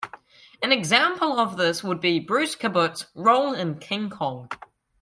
An example of this would be Bruce Cabot's role in "King Kong".